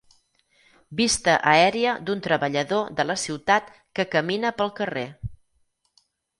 Vista aèria d'un treballador de la ciutat que camina pel carrer.